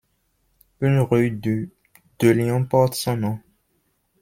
Une rue du de Lyon porte son nom.